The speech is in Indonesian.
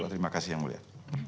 terima kasih yang mulia